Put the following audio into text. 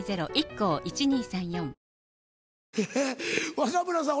若村さん